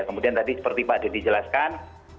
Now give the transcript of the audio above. kemudian tadi seperti pak adi dijelaskan